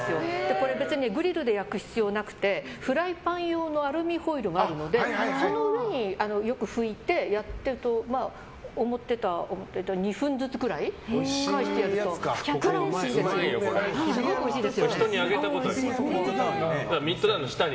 これ、別にグリルで焼く必要なくてフライパン用のアルミホイルがあるのでその上によく拭いて表と裏で２分ずつぐらいひっくり返して焼くとこれ人にあげたことあります。